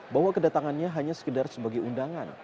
bahwa kedatangannya hanya sekedar sebagai undangan